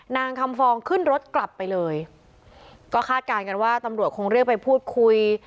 นางคำฟองขึ้นรถกลับไปเลยก็คาดการณ์กันว่าตำรวจคงเรียกไปพูดคุย